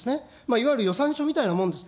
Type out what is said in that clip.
いわゆる予算書みたいなものです。